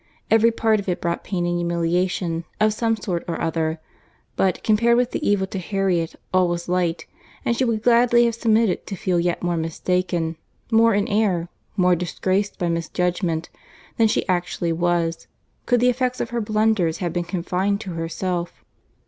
Every part of it brought pain and humiliation, of some sort or other; but, compared with the evil to Harriet, all was light; and she would gladly have submitted to feel yet more mistaken—more in error—more disgraced by mis judgment, than she actually was, could the effects of her blunders have been confined to herself.